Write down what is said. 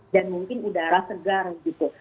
dan mungkin udara segar gitu